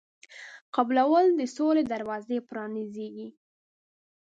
قبلول د سولې دروازه پرانیزي.